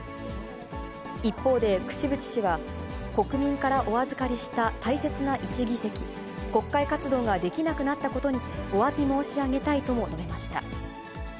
一方で櫛渕氏は、国民からお預かりした大切な一議席、国会活動ができなくなったことにおわび申し上げたいとも述べました。